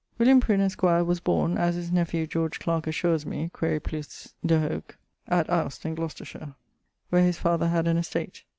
William Prinne[AY], esq., was borne (as his nephew George Clarke assures me: quaere plus de hoc) at Aust in Glocestershire, where his father had an estate.